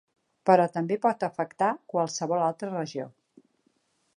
Però també pot afectar qualsevol altra regió.